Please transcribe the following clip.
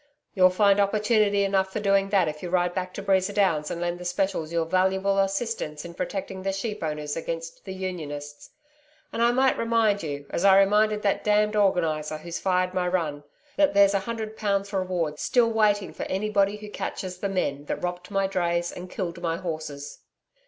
'You'll find opportunity enough for doing that if you ride back to Breeza Downs and lend the Specials your valuable assistance in protecting the sheep owners against the Unionists. And I might remind you, as I reminded that damned Organiser who's fired my run, that there's a hundred pounds reward still waiting for anybody who catches the men that robbed my drays and killed my horses.'